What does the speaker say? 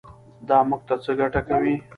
دا موږ ته څه ګټه کوي.